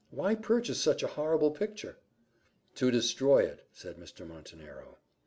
Why purchase such a horrible picture?" "To destroy it," said Mr. Montenero.